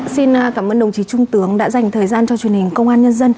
xin cảm ơn đồng chí trung tướng đã dành thời gian cho truyền hình công an nhân dân